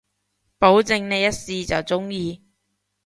保證你一試就中意